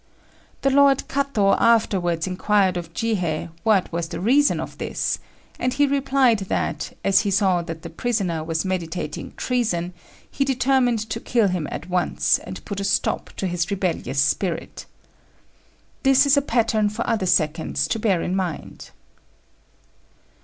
The lord Katô afterwards inquired of Jihei what was the reason of this; and he replied that, as he saw that the prisoner was meditating treason, he determined to kill him at once, and put a stop to this rebellious spirit. This is a pattern for other seconds to bear in mind.